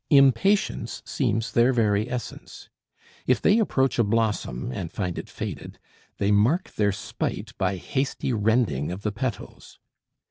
Impatience seems their very essence. If they approach a blossom and find it faded, they mark their spite by hasty rending of the petals.